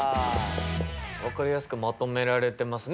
分かりやすくまとめられてますね。